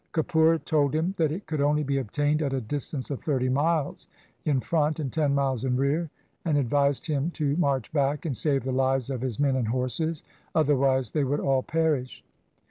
Kapura told him that it could only be obtained at a distance of thirty miles in front and ten miles in rear, and advised him to 214 THE SIKH RELIGION march back and save the lives of his men and horses, otherwise they would all perish.